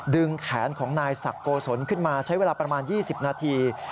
แขนของนายศักดิ์โกศลขึ้นมาใช้เวลาประมาณ๒๐นาที